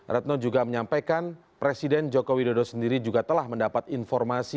retno juga menyampaikan presiden joko widodo sendiri juga telah mendapat informasi